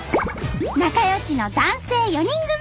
仲よしの男性４人組。